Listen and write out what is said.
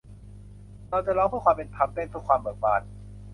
เราจะร้องเพื่อความเป็นธรรม เต้นเพื่อความเบิกบาน !